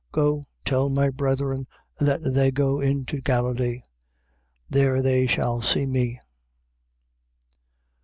Go, tell my brethren that they go into Galilee. There they shall see me.